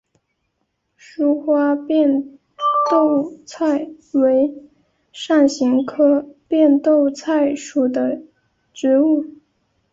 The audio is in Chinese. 疏花变豆菜为伞形科变豆菜属的植物。